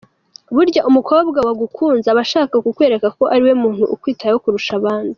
Burya umukobwa wagukunze, aba ashaka kukwereka ko ariwe muntu ukwitayeho kurusha abandi.